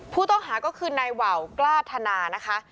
ผู้ต้องหาก็คือนายว่าวกล้าธนานะคะ